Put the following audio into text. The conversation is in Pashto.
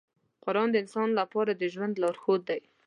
قرآن د انسان لپاره د ژوند لارښود دی.